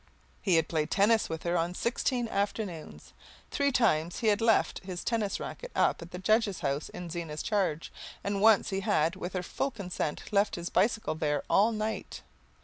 He had played tennis with her on sixteen afternoons. Three times he had left his tennis racket up at the judge's house in Zena's charge, and once he had, with her full consent, left his bicycle there all night.